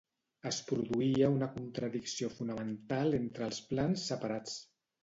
Es produïa una contradicció fonamental entre els plans separats.